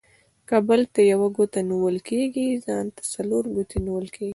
که بل ته يوه گوته نيول کېږي ، ځان ته څلور گوتي نيول کېږي.